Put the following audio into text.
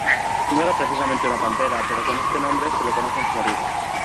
No era propiamente una pantera pero con este nombre se la conoce en Florida.